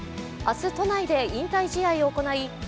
明日、都内で引退試合を行い